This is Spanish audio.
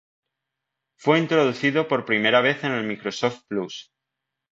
Fue introducido por primera vez en el Microsoft Plus!